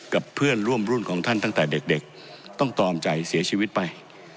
เพื่อนร่วมรุ่นของท่านตั้งแต่เด็กต้องตอมใจเสียชีวิตไป